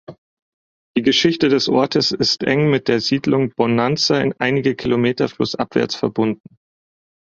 Die Geschichte des Ortes ist eng mit der Siedlung Bonanza einige Kilometer flussabwärts verbunden.